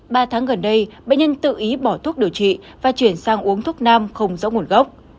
ba tháng gần đây bệnh nhân tự ý bỏ thuốc điều trị và chuyển sang uống thuốc nam không rõ nguồn gốc